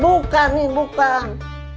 bukan nin bukan